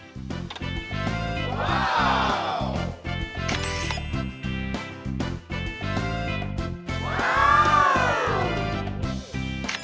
ว๊าว